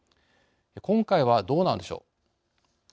今回はどうなのでしょう。